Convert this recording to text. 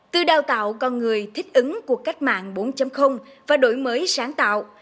từ đào tạo con người thích ứng của cách mạng bốn và đổi mới sáng tạo